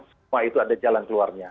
semua itu ada jalan keluarnya